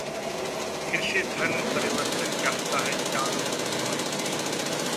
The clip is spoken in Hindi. फिर से धर्म परिवर्तन चाहता है चांद मोहम्मद